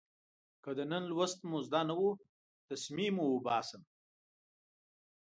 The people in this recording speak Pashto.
که د نن لوست مو زده نه و، تسمې مو اوباسم.